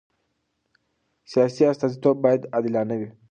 سیاسي استازیتوب باید عادلانه وي